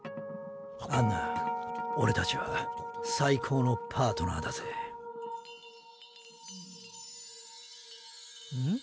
アンナオレたちは最高のパートナーだぜん？